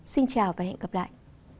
xin chào và hẹn gặp lại